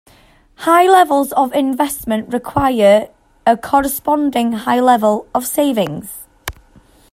High levels of investment require a corresponding high level of savings.